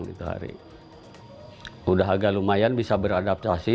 sudah agak lumayan bisa beradaptasi